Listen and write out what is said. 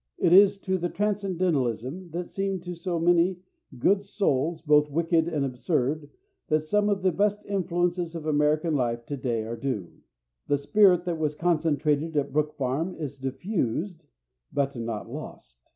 It is to the Transcendentalism that seemed to so many good souls both wicked and absurd that some of the best influences of American life to day are due. The spirit that was concentrated at Brook Farm is diffused but not lost.